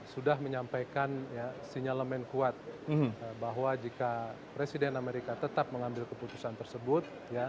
sudah menyampaikan sinyalemen kuat bahwa jika presiden amerika tetap mengambil keputusan tersebut